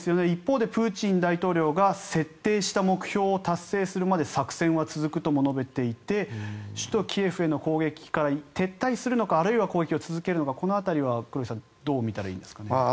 一方でプーチン大統領が設定した目標を達成するまで作戦は続くとも述べていて首都キエフの攻撃から撤退するのかあるいは攻撃を続けるのかこの辺りは黒井さんどう見たらいいんですかね。